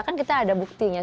kan kita ada buktinya